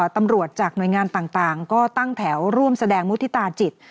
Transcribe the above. ตำรวจจากหน่วยงานต่างก็ตั้งแถวร่วมแสดงมุฒิตาจิต